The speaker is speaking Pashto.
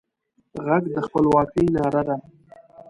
غږ د خپلواکۍ ناره ده